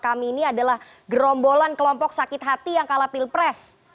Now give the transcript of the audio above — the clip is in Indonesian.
kami ini adalah gerombolan kelompok sakit hati yang kalah pilpres